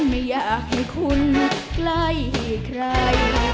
ไม่อยากให้คุณใกล้ใคร